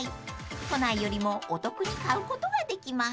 ［都内よりもお得に買うことができます］